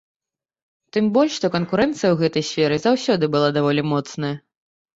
Тым больш, што канкурэнцыя ў гэтай сферы заўсёды была даволі моцная.